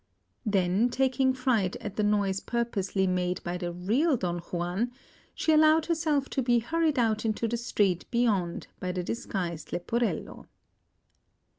Then, taking fright at a noise purposely made by the real Don Juan, she allowed herself to be hurried out into the street beyond by the disguised Leporello.